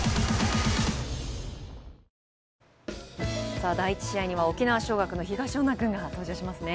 さあ第１試合には沖縄尚学の東恩納君が登場しますね。